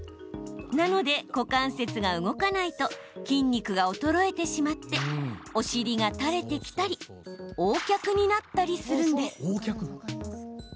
なので、股関節が動かないと筋肉が衰えてしまってお尻が垂れてきたりＯ脚になったりするんです。